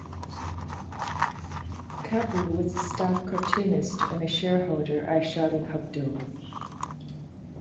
Cabut was a staff cartoonist and shareholder at "Charlie Hebdo".